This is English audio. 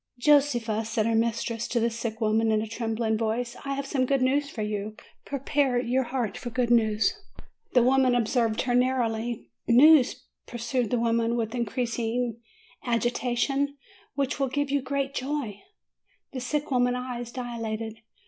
"Josefa," said her mistress to the sick woman, in a trembling voice, "I have some good news for you. Prepare your heart for good news," The woman observed her narrowly. "News/' pursued the lady, with increasing agita tion, "which will give you great joy." The sick woman's eyes dilated.